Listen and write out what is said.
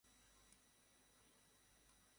কারণ, আপনারা বাবা-মা হতে চলেছেন।